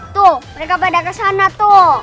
tuh mereka pada kesana tuh